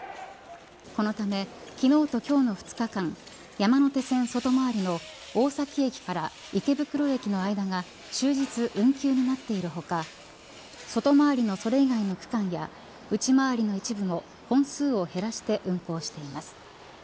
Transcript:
このため、昨日と今日の２日間山手線外回りの大崎駅から池袋駅の間が終日運休になっている他外回りのそれ以外の区間や内回りの一部も本数を減らして運行しています。